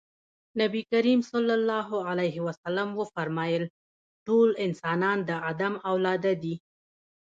نبي کريم ص وفرمايل ټول انسانان د ادم اولاده دي.